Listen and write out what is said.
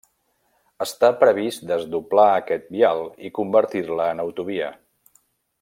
Està previst desdoblar aquest vial i convertir-la en autovia.